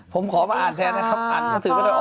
ผมขอมาอ่านแท้นะครับ